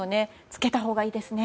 つけたほうがいいですね。